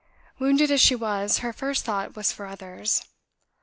Wounded as she was, her first thought was for others.